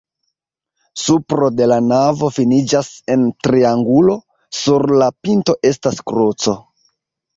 Supro de la navo finiĝas en triangulo, sur la pinto estas kruco.